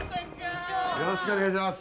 よろしくお願いします。